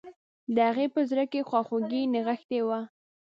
د هغې په زړه کې خواخوږي نغښتي وه